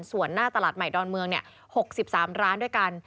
ส่วนหน้าตลาดใหม่ดอนเมือง๖๓ร้านด้วยกัน